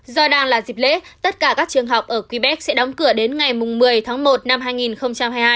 do đang là dịp lễ tất cả các trường học ở quebec sẽ đóng cửa đến ngày một mươi tháng một năm hai nghìn hai mươi hai